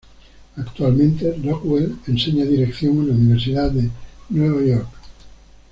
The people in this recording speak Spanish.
Actualmente, Rockwell enseña dirección en la Universidad de Nueva York.